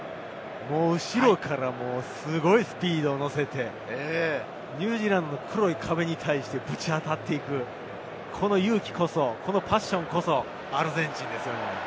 後ろからもうすごいスピードに乗せて、ニュージーランドの黒い壁に対してぶち当たっていく、この勇気、パッションこそアルゼンチンですよね。